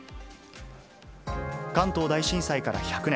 関東大震災から１００年。